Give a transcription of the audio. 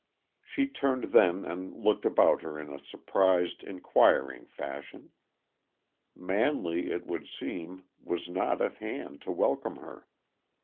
She turned then and looked about her in a surprised, inquiring fashion. Manley, it would seem, was not at hand to welcome her.